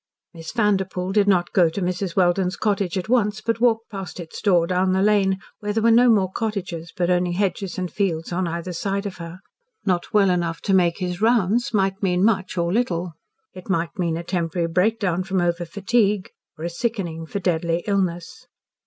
Miss Vanderpoel did not go to Mrs. Welden's cottage at once, but walked past its door down the lane, where there were no more cottages, but only hedges and fields on either side of her. "Not well enough to make his rounds" might mean much or little. It might mean a temporary breakdown from overfatigue or a sickening for deadly illness.